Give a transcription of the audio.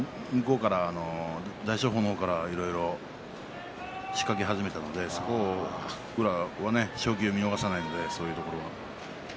大翔鵬の方からいろいろ仕掛け始めたのでそこを、宇良は勝機を見逃さないので、そういうところ。